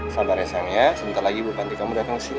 sabar ya sayang ya sebentar lagi bu panti kamu datang sini